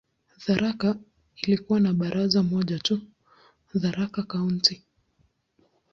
Tharaka ilikuwa na baraza moja tu, "Tharaka County".